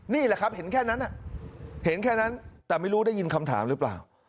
นี่แหละครับเห็นแค่นั้นแต่ไม่รู้ได้ยินคำถามหรือเปล่า